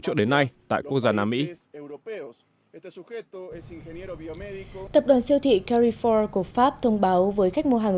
trợ đến nay tại quốc gia nam mỹ tập đoàn siêu thị carifor của pháp thông báo với khách mua hàng